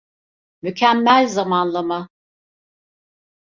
Mükemmel zamanlama.